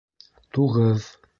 Туғыҙ